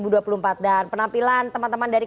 dan penampilan teman teman dari